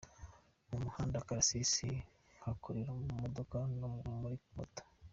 Mu muhanda, akarasisi nkakorewe mu modoka no kuri moto